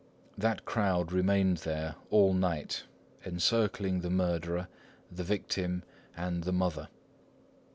That crowd remained there all night, encircling the murderer, the victim, and the mother.